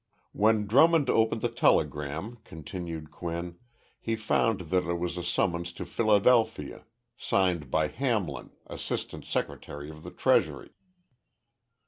When Drummond opened the telegram [continued Quinn] he found that it was a summons to Philadelphia, signed by Hamlin, Assistant Secretary of the Treasury.